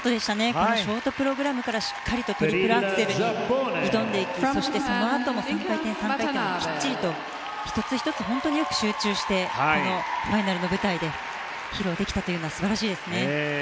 このショートプログラムからしっかりとトリプルアクセルに挑んでいき、そしてそのあとの３回転、３回転もきっちりと１つ１つよく集中してファイナルの舞台で披露できたというのは素晴らしいですね。